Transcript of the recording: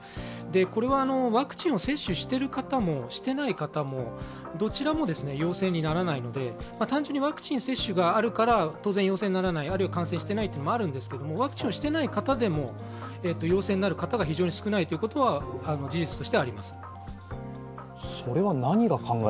これはワクチンを接種してる方もしてない方もどちらも陽性にならないので、単純にワクチン接種があるから当然陽性にならない、あるいは感染していないというのもあるんですけどワクチンをしてない方でも陽性になる方が非常に少ないというのは事実としてあります。